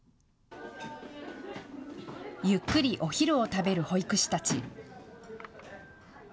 ゆっくりお昼を食べる保育士たち。